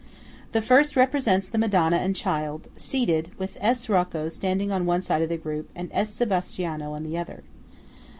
The first represents the Madonna and Child seated, with S. Rocco standing on one side of the group and S. Sebastiano on the other.